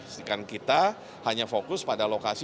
sedangkan kita hanya fokus pada lokasi